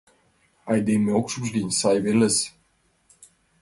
— Айдеме ок шупш гын, сай велыс.